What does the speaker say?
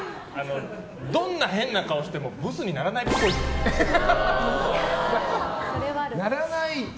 どんな変な顔をしてもブスにならないっぽい。